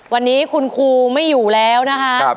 วันนี้คุณครูไม่อยู่แล้วนะคะ